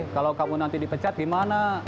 kalau kamu nanti dipecat gimana